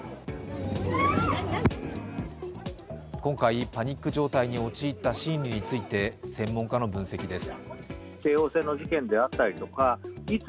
今回、パニック状態に陥った心理について、専門家の分析です。